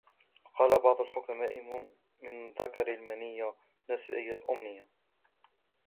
وَقَالَ بَعْضُ الْحُكَمَاءِ مَنْ ذَكَرَ الْمَنِيَّةَ نَسِيَ الْأُمْنِيَّةَ